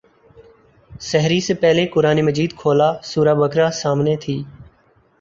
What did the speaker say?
سحری سے پہلے قرآن مجید کھولا سورہ بقرہ سامنے تھی۔